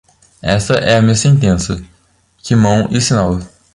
Esta é a minha sentença, que mão e sinal.